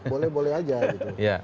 boleh boleh saja gitu